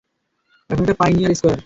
এখন এটা pioneer square.